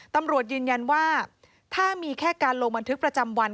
ตำรวจยืนยันว่าถ้ามีแค่การลงบันทึกประจำวัน